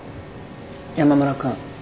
山村君